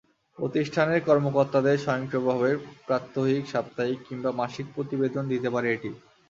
প্রতিষ্ঠানের কর্মকর্তাদের স্বয়ংক্রিয়ভাবে প্রাত্যহিক, সাপ্তাহিক কিংবা মাসিক প্রতিবেদন দিতে পারে এটি।